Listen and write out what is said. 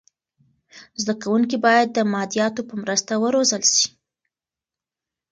زده کونکي باید د مادیاتو په مرسته و روزل سي.